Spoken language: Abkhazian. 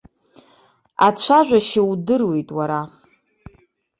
Ацәажәашьа удыруеит уара.